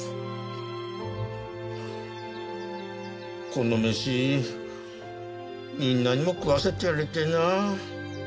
この飯みんなにも食わせてやりてえなあ。